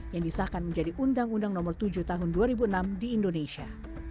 yang disahkan menjadi undang undang nomor tujuh tahun dua ribu enam di indonesia